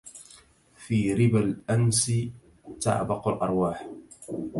في ربا الأنس تعبق الأرواح